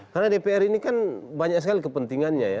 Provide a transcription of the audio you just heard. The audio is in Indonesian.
karena dpr ini kan banyak sekali kepentingannya ya